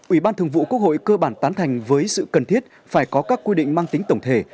ủy ban thường vụ quốc hội cơ bản tán thành với sự cần thiết phải có các quy định mang tính tổng thể